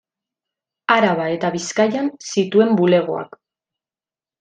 Araba eta Bizkaian zituen bulegoak.